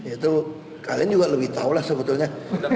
itu kalian juga lebih tahu lah sebetulnya